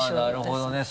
なるほどね